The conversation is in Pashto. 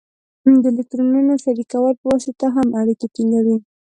د الکترونونو شریکولو په واسطه هم اړیکې ټینګوي.